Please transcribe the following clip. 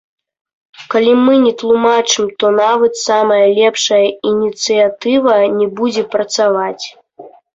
Калі мы не тлумачым, то нават самая лепшая ініцыятыва не будзе працаваць.